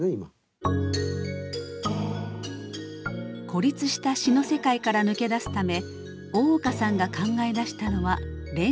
孤立した詩の世界から抜け出すため大岡さんが考え出したのは連詩でした。